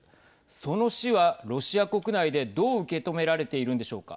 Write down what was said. その死は、ロシア国内でどう受け止められているんでしょうか。